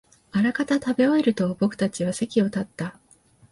あらかた食べ終えると、僕たちは席を立った